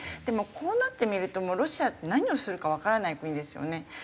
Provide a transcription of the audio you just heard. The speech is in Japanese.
でもこうなってみるともうロシアって何をするかわからない国ですよね。